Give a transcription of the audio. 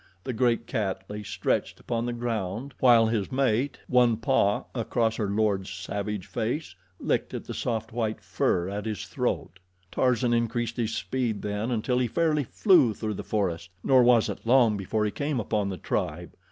The great cat lay stretched upon the ground, while his mate, one paw across her lord's savage face, licked at the soft white fur at his throat. Tarzan increased his speed then until he fairly flew through the forest, nor was it long before he came upon the tribe.